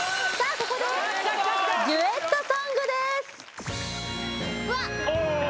ここでデュエットソングですうわっ！